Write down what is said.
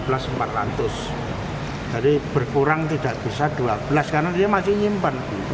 rp empat belas empat ratus jadi berkurang tidak bisa rp dua belas karena dia masih nyimpan